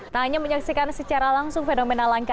tak hanya menyaksikan secara langsung fenomena langka